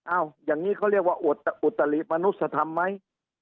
อย่างนี้เขาเรียกว่าอุตลิมนุษยธรรมไหม